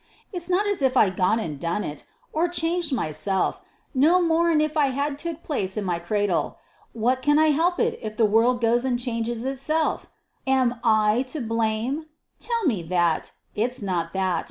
It's not as if I'd gone an' done it, or changed myself, no more 'n if it 'ad took place in my cradle. What can I help it, if the world goes and changes itself? Am I to blame? tell me that. It's not that.